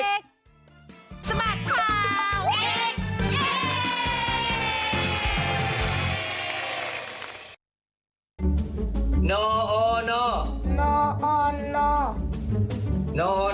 สบัดค่าเห้ดเห้ยยยยวววว